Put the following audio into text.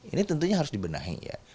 ini tentunya harus dibenahi ya